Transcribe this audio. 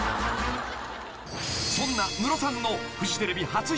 ［そんなムロさんの］